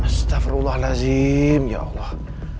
astagfirullahaladzim ya allah